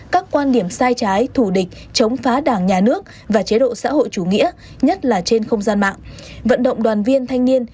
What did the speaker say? các quan điểm sai trái thù địch chống phá đảng nhà nước và chế độ xã hội chủ nghĩa nhất là trên không gian mạng vận động đoàn viên thanh niên